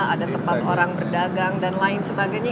ada tempat orang berdagang dan lain sebagainya